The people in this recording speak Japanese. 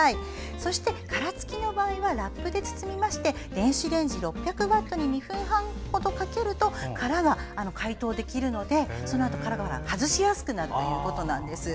そして、殻付きの場合はラップで包みまして電子レンジ、６００ワットで２分半ほどかけると殻が解凍できるのでそのあと、殻が外しやすくなるということです。